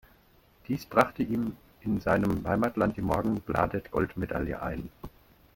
Dies brachte ihm in seinem Heimatland die Morgenbladet-Goldmedaille ein.